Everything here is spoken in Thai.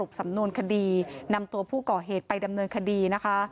สำนวนคดีนำตัวผู้ก่อเหตุไปดำเนินคดีนะคะ